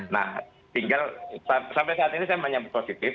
nah tinggal sampai saat ini saya menyambut positif